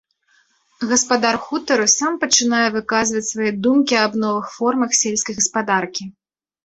Гаспадар хутару сам пачынае выказваць свае думкі аб новых формах сельскай гаспадаркі.